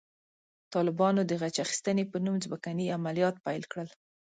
طالبانو د غچ اخیستنې په نوم ځمکني عملیات پیل کړل.